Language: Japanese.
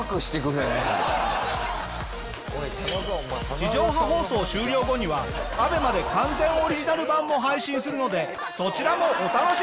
地上波放送終了後にはＡＢＥＭＡで完全オリジナル版も配信するのでそちらもお楽しみに！